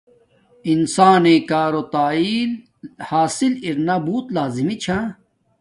انسانݵ کارو تعیل حاسل ارنا بوت لازمی چھا